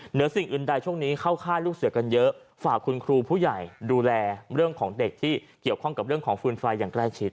เหนือสิ่งอื่นใดช่วงนี้เข้าค่ายลูกเสือกันเยอะฝากคุณครูผู้ใหญ่ดูแลเรื่องของเด็กที่เกี่ยวข้องกับเรื่องของฟืนไฟอย่างใกล้ชิด